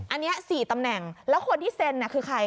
อันนี้๔ตำแหน่งแล้วคนที่เซ็นคือใคร